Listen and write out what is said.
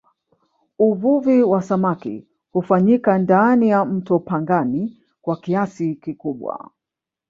uvuvi wa samaki hufanyika ndani ya mto pangani kwa kiasi kikubwa